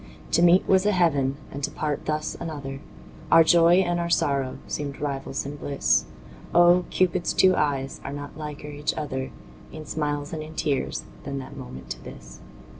To meet was a heaven and to part thus another, Our joy and our sorrow seemed rivals in bliss; Oh! Cupid's two eyes are not liker each other In smiles and in tears than that moment to this.